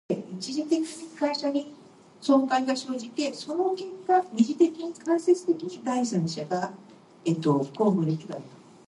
In Canada, a new ministry is only formed if the government loses an election.